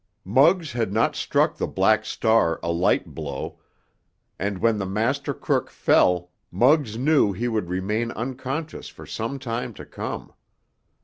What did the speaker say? Muggs had not struck the Black Star a light blow, and when the master crook fell, Muggs knew he would remain unconscious for some time to come.